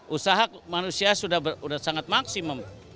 usaha manusia sudah sangat maksimum